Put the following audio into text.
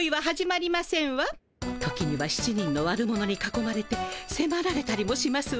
時には７人の悪者にかこまれてせまられたりもしますわ。